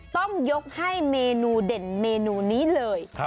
ต้องยกให้เมนูเด่นเมนูนี้เลย